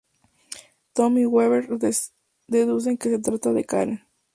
Tom y Weaver deducen que se trata de Karen.